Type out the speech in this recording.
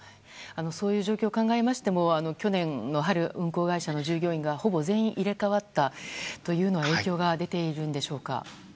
そういう状況を考えましても去年の春運航会社の従業員がほぼ全員入れ替わったという影響が出ているんでしょうか。